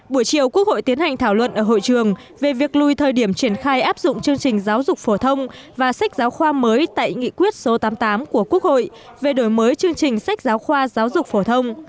buổi chiều quốc hội tiến hành thảo luận ở hội trường về việc lùi thời điểm triển khai áp dụng chương trình giáo dục phổ thông và sách giáo khoa mới tại nghị quyết số tám mươi tám của quốc hội về đổi mới chương trình sách giáo khoa giáo dục phổ thông